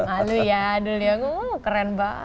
aduh ya adul ya keren banget